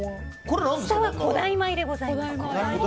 下は古代米でございます。